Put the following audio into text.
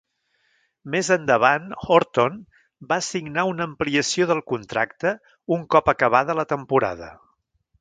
Més endavant, Horton va signar una ampliació del contracte un cop acabada la temporada.